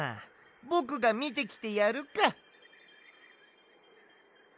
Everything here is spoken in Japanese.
ぼくがみてきてやるか！